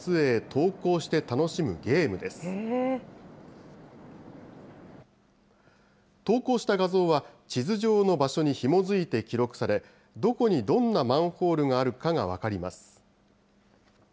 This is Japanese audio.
投稿した画像は、地図上の場所にひも付いて記録され、どこにどんなマンホールがあるか分かります。